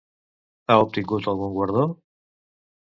Ha obtingut algun guardó?